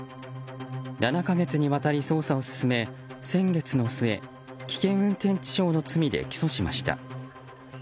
７か月にわたり捜査を進め先月の末危険運転致傷の罪で起訴しました。